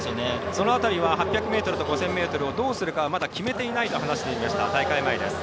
その辺りは８００ｍと５０００ｍをどうするかはまだ決めていないと話していました、大会前です。